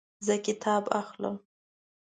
زه کتاب اخلم